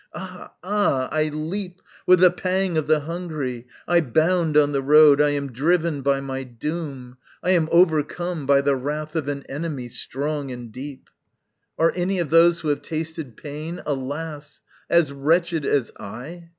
Ah ah I leap With the pang of the hungry I bound on the road I am driven by my doom I am overcome By the wrath of an enemy strong and deep! Are any of those who have tasted pain, Alas! as wretched as I?